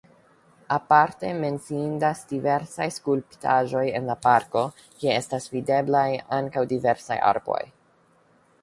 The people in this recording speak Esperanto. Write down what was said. Aparte menciindas diversaj skulptaĵoj en la parko, kie estas videblaj ankaŭ diversaj arboj.